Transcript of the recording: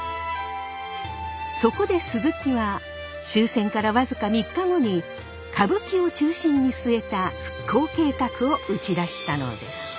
そこで鈴木は終戦からわずか３日後に歌舞伎を中心に据えた復興計画を打ち出したのです。